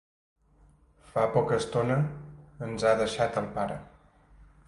Fa poca estona ens ha deixat el pare.